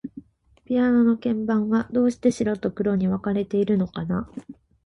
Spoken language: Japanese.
ピアノの鍵盤は、どうして白と黒に分かれているのかな。